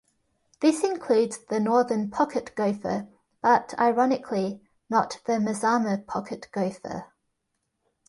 This includes the Northern pocket gopher, but ironically, not the Mazama pocket gopher.